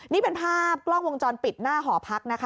นี่เป็นภาพกล้องวงจรปิดหน้าหอพักนะคะ